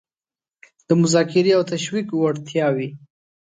د مذاکرې او تشویق وړتیاوې